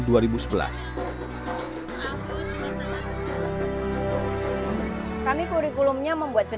kami kurikulumnya membuat sendiri gitu ya